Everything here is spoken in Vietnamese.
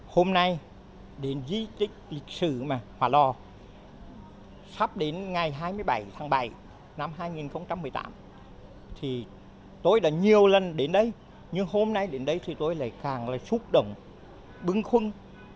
hôm nay đến di tích lịch sử hòa lò sắp đến ngày hai mươi bảy tháng bảy năm hai nghìn một mươi tám thì tôi đã nhiều lần đến đây nhưng hôm nay đến đây thì tôi lại càng là xúc động bưng khuâng